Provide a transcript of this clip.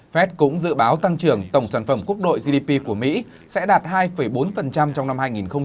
phép cũng dự báo tăng trưởng tổng sản phẩm quốc đội gdp của mỹ sẽ đạt hai bốn trong năm hai nghìn một mươi chín